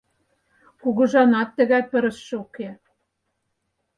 Кугыжанат тыгай пырысше уке!»